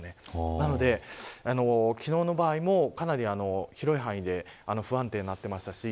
なので、昨日の場合も広い範囲で不安定になっていました。